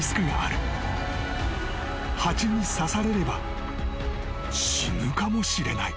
［蜂に刺されれば死ぬかもしれない］